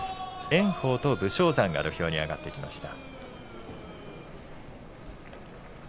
炎鵬と武将山が土俵に上がってきました。